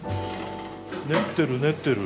練ってる練ってる。